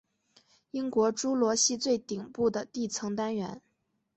英国侏罗系最顶部的地层单元。